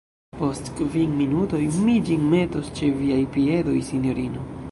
Post kvin minutoj mi ĝin metos ĉe viaj piedoj, sinjorino.